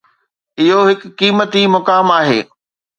اهو هڪ قيمتي مقام آهي.